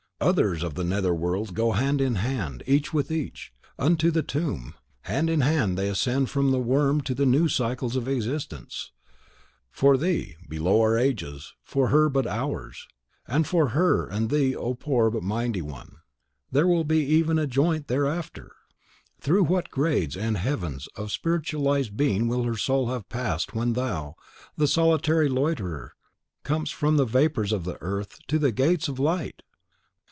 Others of the nether world go hand in hand, each with each, unto the tomb; hand in hand they ascend from the worm to new cycles of existence. For thee, below are ages; for her, but hours. And for her and thee O poor, but mighty one! will there be even a joint hereafter! Through what grades and heavens of spiritualised being will her soul have passed when thou, the solitary loiterer, comest from the vapours of the earth to the gates of light!"